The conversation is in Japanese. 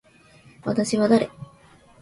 私は誰。